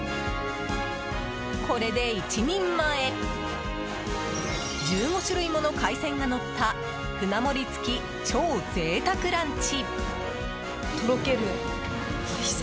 これで１人前１５種類もの海鮮がのった舟盛り付き超贅沢ランチ！